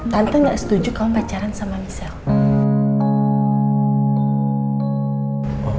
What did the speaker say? tante gak setuju kamu pacaran sama misal